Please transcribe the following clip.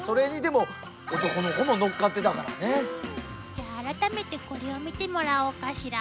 じゃあ改めてこれを見てもらおうかしら。